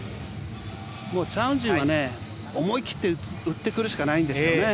チャン・ウジンは思い切って打ってくるしかないんですよね。